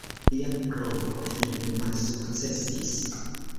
Lia provo fine malsukcesis.